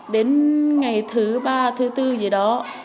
đến ngày thứ ba thứ tư gì đó